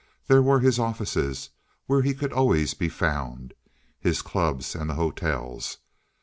There were his offices, where he could always be found, his clubs and the hotels.